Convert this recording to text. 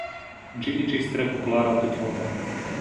Ĝi iĝis tre populara tutmonde.